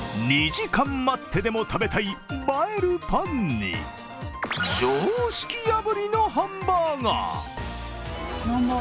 ２時間待ってでも食べたい映えるパンに常識破りのハンバーガー。